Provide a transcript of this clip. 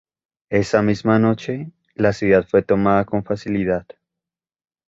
Esa misma noche, la ciudad fue tomada con facilidad.